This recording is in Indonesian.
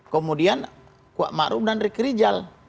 kemudian kwa maru dan rik rijal